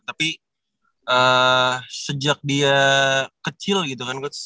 tapi sejak dia kecil gitu kan coach